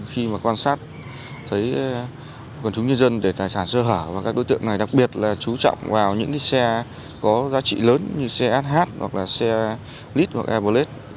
khi mà quan sát thấy quần chúng nhân dân để tài sản sơ hở và các đối tượng này đặc biệt là chú trọng vào những xe có giá trị lớn như xe sh hoặc là xe lit hoặc evo